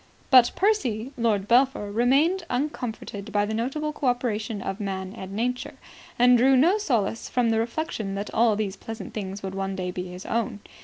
But Percy, Lord Belpher, remained uncomforted by the notable co operation of Man and Nature, and drew no solace from the reflection that all these pleasant things would one day be his own.